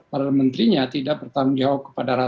para menterinya tidak bertanggung jawab